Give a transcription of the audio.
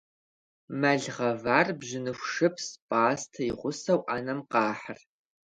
Мэл гъэвар бжьыныху шыпс, пӀастэ и гъусэу Ӏэнэм къахьыр.